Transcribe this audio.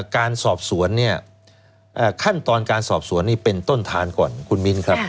การสอบสวนเนี่ยขั้นตอนการสอบสวนนี่เป็นต้นทานก่อนคุณมิ้นครับ